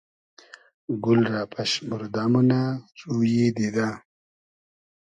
گول رۂ پئشموردۂ مونۂ رویی دیدۂ